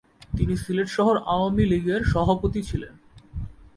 তিনি সিলেট শহর আওয়ামী লীগের সভাপতি ছিলেন।